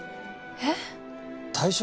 えっ！？退職！？